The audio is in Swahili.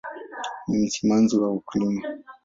Ni msimamizi wa wakulima.